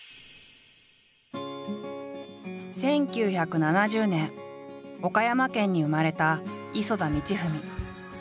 １９７０年岡山県に生まれた磯田道史。